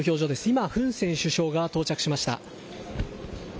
今フン・セン首相が到着しました。